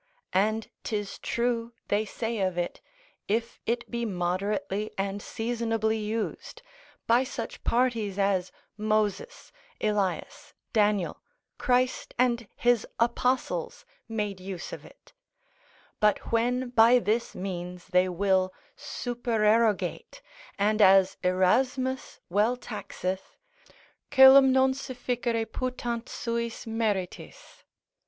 And 'tis true they say of it, if it be moderately and seasonably used, by such parties as Moses, Elias, Daniel, Christ, and his apostles made use of it; but when by this means they will supererogate, and as Erasmus well taxeth, Coelum non sufficere putant suis meritis.